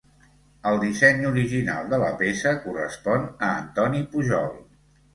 El disseny original de la peça correspon a Antoni Pujol.